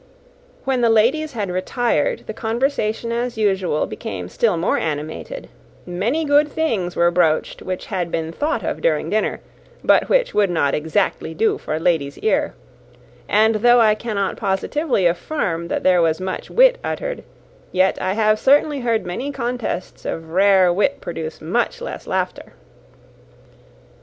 When the ladies had retired, the conversation, as usual, became still more animated; many good things were broached which had been thought of during dinner, but which would not exactly do for a lady's ear; and though I cannot positively affirm that there was much wit uttered, yet I have certainly heard many contests of rare wit produce much less laughter.